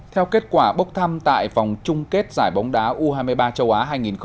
theo kết quả bốc thăm tại vòng chung kết giải bóng đá u hai mươi ba châu á hai nghìn hai mươi